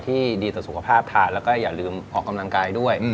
ที่ดีต่อสุขภาพทานแล้วก็อย่าลืมออกกำลังกายด้วย